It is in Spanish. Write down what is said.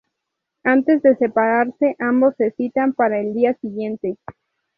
Antes de separarse, ambos se citan para el día siguiente.